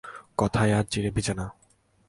কথায় আর চিঁড়ে ভেজে না।